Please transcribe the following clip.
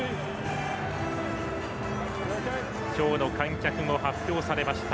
今日の観客が発表されました。